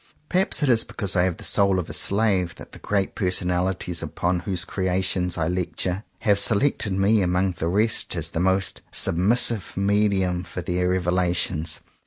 Per haps it is because I have the soul of a slave that the great personalities, upon whose creations I lecture, have selected me among the rest as the most submissive medium for their revelations.